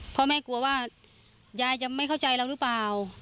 เพราะแม่กลัวว่ายายจะไม่เข้าใจเราหรือเปล่า